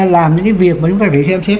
làm những cái việc mà chúng ta phải xem xét